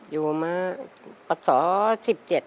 อยู่มาประสอบ๑๗